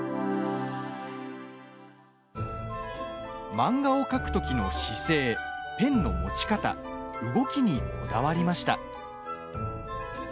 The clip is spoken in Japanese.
漫画を描くときの姿勢ペンの持ち方動きにこだわりました。